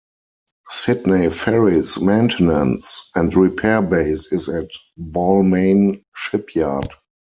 Sydney Ferries maintenance and repair base is at Balmain Shipyard.